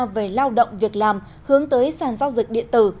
về lao động việc làm hướng tới sàn giao dịch điện tử